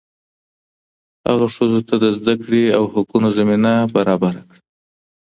هغه ښځو ته د زده کړې او حقونو زمینه برابره کړه.